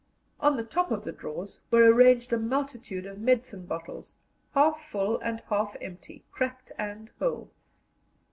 On the top of the drawers were arranged a multitude of medicine bottles, half full and half empty, cracked and whole.